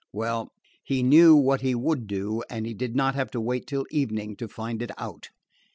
Well, he knew what he would do, and he did not have to wait till evening to find it out.